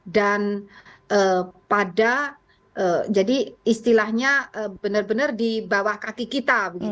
dan pada jadi istilahnya benar benar di bawah kaki kita